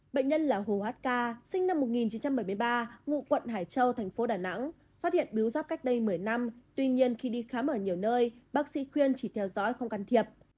bệnh nhân là hồ hát ca sinh năm một nghìn chín trăm bảy mươi ba ngụ quận hải châu thành phố đà nẵng phát hiện biếu giáp cách đây một mươi năm tuy nhiên khi đi khám ở nhiều nơi bác sĩ khuyên chỉ theo dõi không can thiệp